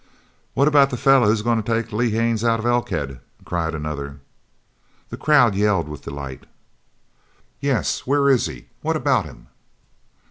"What about the feller who's goin' to take Lee Haines out of Elkhead?" cried another. The crowd yelled with delight. "Yes, where is he? What about him?"